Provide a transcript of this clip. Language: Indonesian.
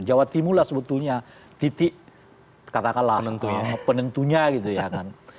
jawa timur lah sebetulnya titik katakanlah penentunya gitu ya kan